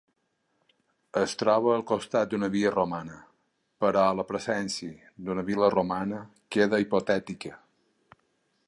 Es troba al costat d'una via romana, però la presència d'una vil·la romana queda hipotètica.